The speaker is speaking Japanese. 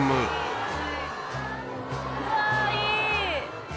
うわいい。